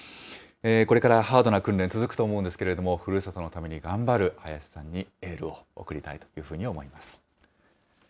これからハードな訓練、続くと思うんですけれども、ふるさとのために頑張る林さんにエールを送りたいというふうに思います。